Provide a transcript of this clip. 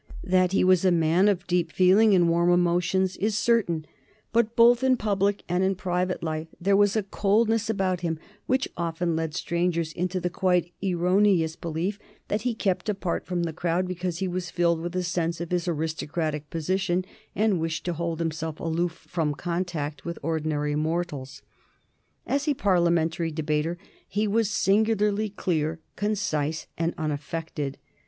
That he was a man of deep feeling and warm emotions is certain, but both in public and private life there was a coldness about him which often led strangers into the quite erroneous belief that he kept apart from the crowd because he was filled with a sense of his aristocratic position and wished to hold himself aloof from contact with ordinary mortals. As a Parliamentary debater he was singularly clear, concise, and unaffected.